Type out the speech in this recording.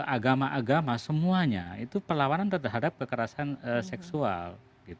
agama agama semuanya itu pelawanan terhadap kekerasan seksual